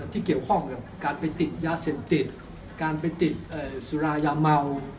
ที่เกี่ยวข้องกับการไปติดยาเสพติดการไปติดสุรายาเมา